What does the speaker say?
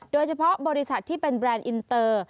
โดยเฉพาะบริษัทที่เป็นแบรนด์อินเตอร์